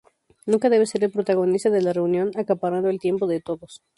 Nunca debe ser el protagonista de la reunión, acaparando el tiempo de todos.